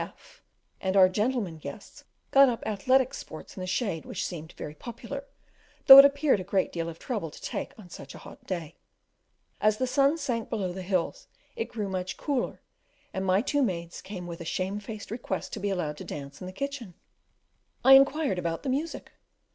F and our gentlemen guests got up athletic sports in the shade which seemed very popular, though it appeared a great deal of trouble to take on such a hot day. As the sun sank below the hills it grew much cooler, and my two maids came with a shamefaced request to be allowed to dance in the kitchen. I inquired about the music?